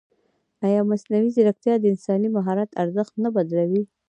ایا مصنوعي ځیرکتیا د انساني مهارت ارزښت نه بدلوي؟